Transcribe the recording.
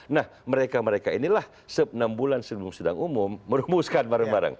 nah mereka mereka inilah enam bulan sebelum sidang umum merumuskan bareng bareng